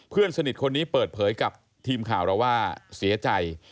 เพื่อนสนิทคนนี้เปิดเผยกับทีมข่าวเราว่าเสียใจ